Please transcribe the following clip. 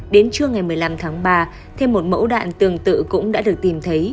đến trưa ngày một mươi năm tháng ba thêm một mẫu đạn tương tự cũng đã được tìm thấy